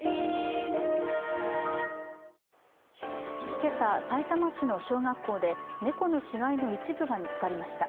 今朝、さいたま市の小学校で猫の死骸の一部が見つかりました。